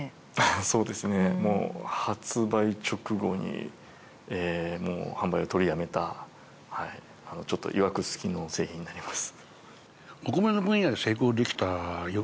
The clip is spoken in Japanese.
そうですねもう発売直後に販売を取りやめたちょっといわくつきの製品になります。